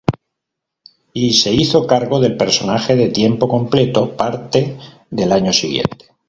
Y se hizo cargo del personaje de tiempo completo parte del año siguiente.